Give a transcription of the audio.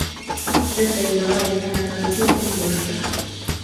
tesei logoek alak korotik eng' borto